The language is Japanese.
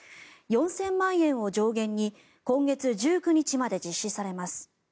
４０００万円を上限に今月１９日まで実施されます。